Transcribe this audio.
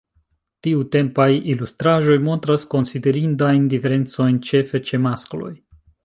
Tiutempaj ilustraĵoj montras konsiderindajn diferencojn, ĉefe ĉe maskloj.